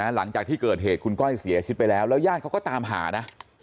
หลังจากที่เกิดเหตุคุณก้อยเสียชีวิตไปแล้วแล้วญาติเขาก็ตามหานะ